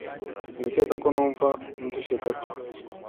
Ndakeka ko numva ndushye gato.